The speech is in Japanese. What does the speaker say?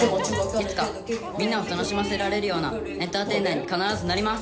いつかみんなを楽しませられるようなエンターテイナーに必ずなります。